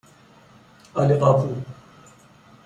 عالیقاپو